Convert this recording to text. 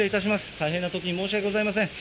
大変なときに申し訳ございません。